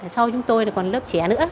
sau chúng tôi còn lớp trẻ nữa